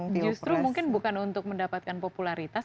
justru mungkin bukan untuk mendapatkan popularitas